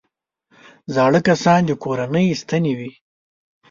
زاړه کسان د کورنۍ ستنې وي